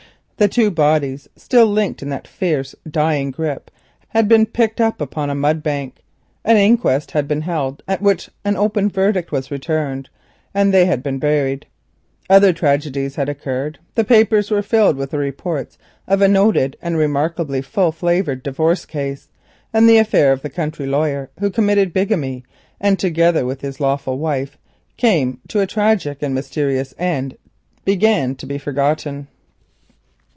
The two corpses, still linked in that fierce dying grip, had been picked up on a mudbank. An inquest had been held, at which an open verdict was returned, and they were buried. Other events had occurred, the papers were filled with the reports of new tragedies, and the affair of the country lawyer who committed bigamy and together with his lawful wife came to a tragic and mysterious end began to be forgotten.